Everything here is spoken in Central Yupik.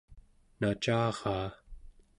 nacaraa